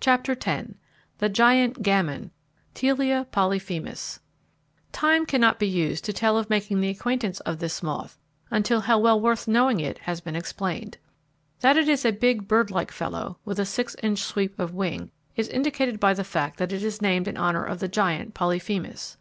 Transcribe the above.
CHAPTER X The Giant Gamin: Telea Polyphemus Time cannot be used to tell of making the acquaintance of this moth until how well worth knowing it is has been explained. That it is a big birdlike fellow, with a six inch sweep of wing, is indicated by the fact that it is named in honour of the giant Polyphemus.